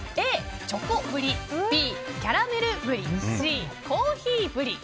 Ａ、チョコブリＢ、キャラメルブリＣ、コーヒーブリ。